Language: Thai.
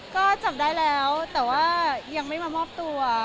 ก็จับได้แล้วแต่ว่ายังไม่มามอบตัว